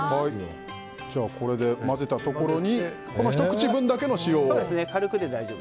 これを混ぜたところにひと口分だけの塩を？